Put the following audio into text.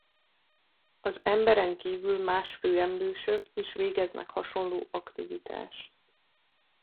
Az emberen kívül más főemlősök is végeznek hasonló aktivitást.